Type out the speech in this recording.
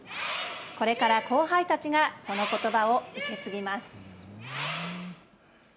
これから後輩たちがそのことばを受け継ぎます。